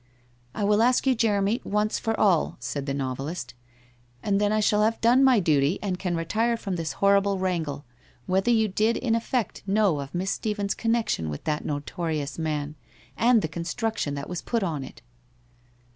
'I will ask you, Jeremy, once for all ' said the nov elist, 'and then I shall have done my duty and can retire from this horrible wrangle — whether you did in effect know of M'iss Stephens' connection with that notorious man, and the construction that was put on it?'